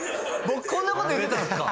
僕こんなこと言ってたんですか？